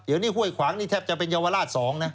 เดี๋ยวนี้ห้วยขวางนี่แทบจะเป็นเยาวราช๒นะ